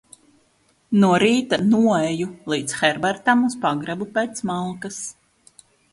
No rīta noeju līdz Herbertam uz pagrabu pēc malkas.